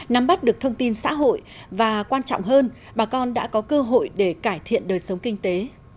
nắm bắt được thông tin xã hội và quan trọng hơn bà con đã có cơ hội để cải thiện đời sống kinh tế